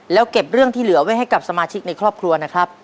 แล้วเก็บเรื่องที่เหลือไว้ให้กับสมาชิกในครอบครัวนะครับ